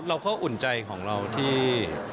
เราก็อุ่นใจของเราที่